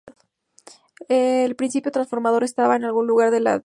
El principio transformador estaba en algún lugar de la lisis.